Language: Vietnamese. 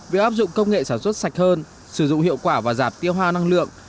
việc áp dụng công nghệ sản xuất sạch hơn sử dụng hiệu quả và giảm tiêu ha năng lượng